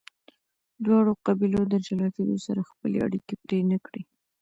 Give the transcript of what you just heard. دواړو قبیلو د جلا کیدو سره خپلې اړیکې پرې نه کړې.